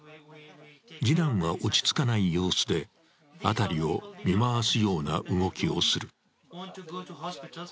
次男は落ち着かない様子で辺りを見回すような動きをする。